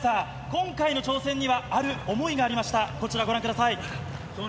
今回の挑戦にはある思いがありました。